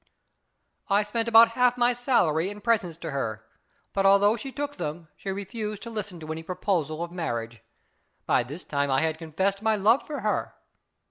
I spent about half my salary in presents to her ; but, although she took them, she refused to listen to any proposal of marriage. By this time I had confessed my love for her.